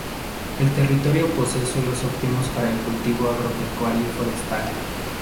El territorio posee suelos óptimos para el cultivo agropecuario y forestal.